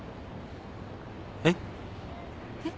えっ？えっ？